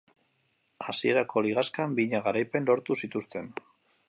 Hasierako ligaxkan bina garaipen lortu zituzten.